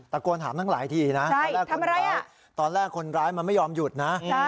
ตะโกนถามทั้งหลายที่นะตอนแรกคนร้ายมันไม่ยอมหยุดนะ